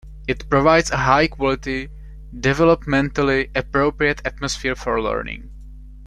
It provides a high-quality, developmentally appropriate atmosphere for learning.